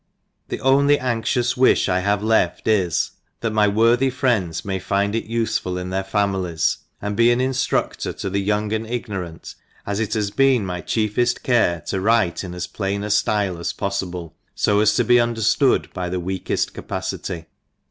» The only anxious wiih I have left is, that my worthy friends may find it ufeful in their £imilies, and be an inftrudtor to the young and ignorant as it has been my chiefeft tare to write in as plain aflileas poffible^ foas to be under flood by the weakeft capacity.